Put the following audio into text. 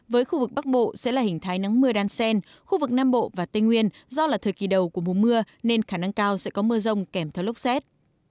với khu vực nam bộ và tây nguyên do là thời kỳ đầu của mùa mưa nên khả năng cao sẽ có mưa rông kèm theo lốc xét